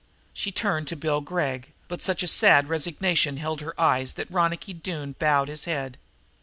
She turned to Bill Gregg, but such a sad resignation held her eyes that Ronicky Doone bowed his head.